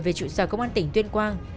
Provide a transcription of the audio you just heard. về trụ sở công an tỉnh tuyên quang